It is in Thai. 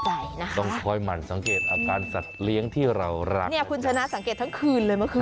ต้องคอยหมั่นสังเกตอาการสัตว์เลี้ยงที่เรารักเนี่ยคุณชนะสังเกตทั้งคืนเลยเมื่อคืน